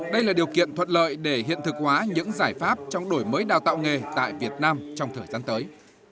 đây là điều kiện thuận lợi để hiện thực hóa những giải pháp trong đổi mới đào tạo nghề tại việt nam trong thời gian tới